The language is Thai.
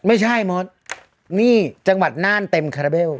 ไม่ใช่มดนี่จังหวัดน่านเต็มคาราเบล